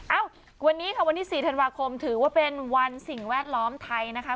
เอ้าวันนี้ค่ะวันที่๔ธันวาคมถือว่าเป็นวันสิ่งแวดล้อมไทยนะคะ